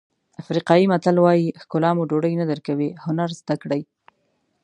افریقایي متل وایي ښکلا مو ډوډۍ نه درکوي هنر زده کړئ.